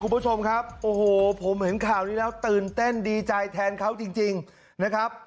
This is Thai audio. คุณผู้ชมครับโอ้โหผมเห็นข่าวนี้แล้วตื่นเต้นดีใจแทนเขาจริงนะครับ